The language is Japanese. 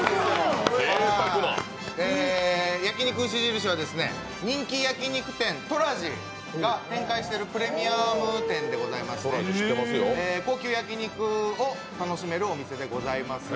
焼肉牛印は人気焼き肉店・トラジが展開するプレミアム店でございまして、高級焼き肉を楽しめるお店でございます。